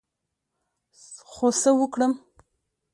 خو څه وکړم،